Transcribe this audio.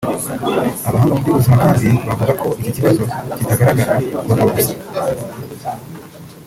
Abahanga mu by’ubuzima kandi bavuga ko iki kibazo kitagaragara ku bagabo gusa